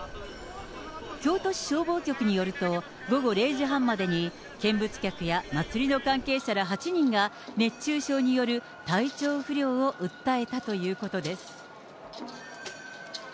京都市消防局によると、午後０時半までに見物客や祭りの関係者ら８人が、熱中症による体調不良を訴えたということです。